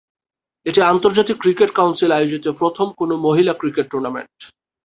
এটি আন্তর্জাতিক cricket council আয়োজিত প্রথম কোন মহিলা ক্রিকেট টুর্নামেন্ট।